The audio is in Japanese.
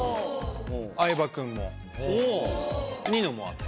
相葉くんもニノも会った。